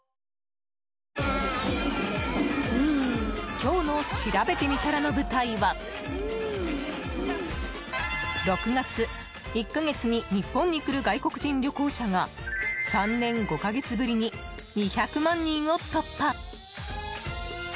今日のしらべてみたらの舞台は６月、１か月に日本に来る外国人旅行者が３年５か月ぶりに２００万人を突破。